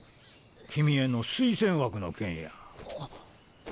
君への推薦枠の件や。